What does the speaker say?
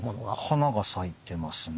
花が咲いてますね。